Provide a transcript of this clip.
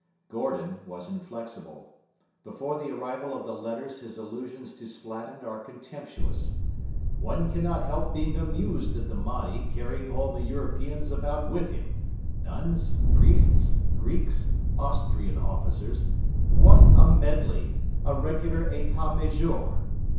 Gordon was inflexible. Before the arrival of the letters his allusions to Slatin are contemptuous: 'One cannot help being amused at the Mahdi carrying all the Europeans about with him nuns, priests, Greeks, Austrian officers what a medley, a regular Etat Major!'